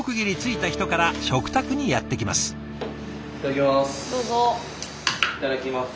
いただきます。